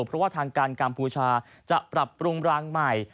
เพราะว่าทางการกัมพูชาจะปรับปรุงรางใหม่